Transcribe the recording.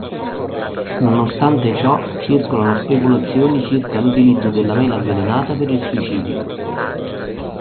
Nonostante ciò, circolano speculazioni circa l'utilizzo della mela avvelenata per il suicidio.